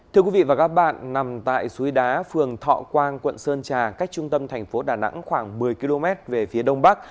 thưa quý vị và các bạn nằm tại suối đá phường thọ quang quận sơn trà cách trung tâm thành phố đà nẵng khoảng một mươi km về phía đông bắc